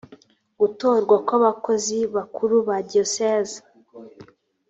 gutorwa kw abakozi bakuru ba diyosezi